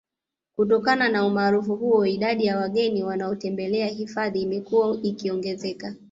Kutokana na umaarufu huo idadi ya wageni wanaotembelea hifadhi imekuwa ikiongezeka